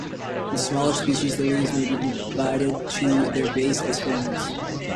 In smaller species, the leaves may be divided to their base as filaments.